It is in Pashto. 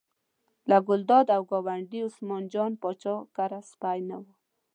له ګلداد او ګاونډي عثمان جان پاچا کره سپی نه و.